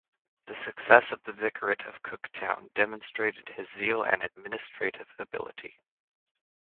The success of the Vicariate of Cooktown demonstrated his zeal and administrative ability.